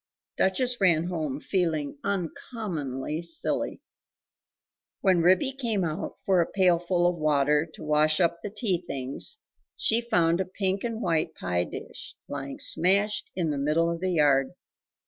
Duchess ran home feeling uncommonly silly! When Ribby came out for a pailful of water to wash up the tea things, she found a pink and white pie dish lying smashed in the middle of the yard.